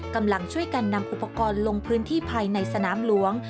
กำลังช่วยกันนำอุปกรณ์ลงพื้นที่ภายในสนามหลวง